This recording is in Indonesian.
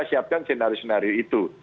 kita siapkan senario senario itu